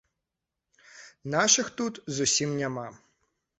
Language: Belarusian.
Нашых тут зусім няма.